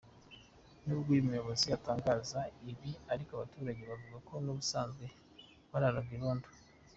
Nubwo uyu muyobozi atangaza ibi ariko, abaturage bavuga ko n’ubusanzwe bararaga irondo.